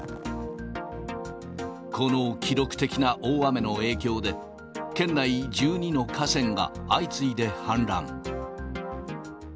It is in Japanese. この記録的な大雨の影響で、県内１２の河川が相次いで氾濫。